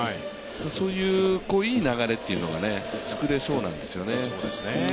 そういう、いい流れというのが作れそうなんですよね。